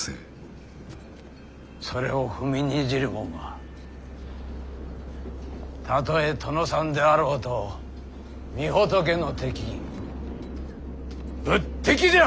それを踏みにじるもんはたとえ殿さんであろうと御仏の敵仏敵じゃ！